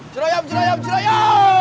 cura yam cura yam cura yam